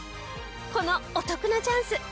このお得なチャンス